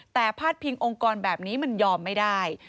แต่พาดพิงองค์กรแบบนี้มันยอมไม่ได้